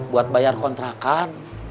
buat bayar kontrakan